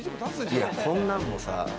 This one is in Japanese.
こんなんもさ。